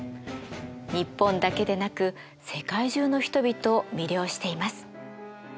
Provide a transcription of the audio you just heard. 日本だけでなく世界中の人々を魅了しています。